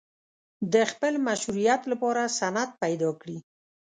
د خپل مشروعیت لپاره سند پیدا کړي.